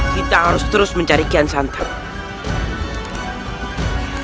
kita harus terus mencari kian santer